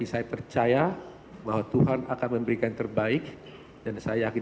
setelah pak saiful tidak ada lagi